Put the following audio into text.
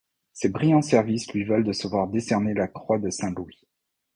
Ses brillants services lui valent de se voir décerner la croix de Saint-Louis.